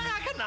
gue gak kenal